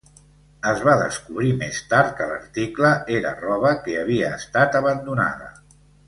Es va descobrir més tard que l'article era roba que havia estat abandonada.